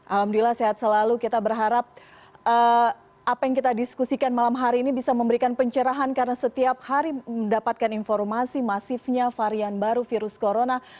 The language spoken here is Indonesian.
alhamdulillah sehat selalu kita berharap apa yang kita diskusikan malam hari ini bisa memberikan pencerahan karena setiap hari mendapatkan informasi masifnya varian baru virus corona